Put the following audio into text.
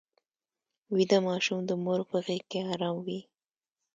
ویده ماشوم د مور په غېږ کې ارام وي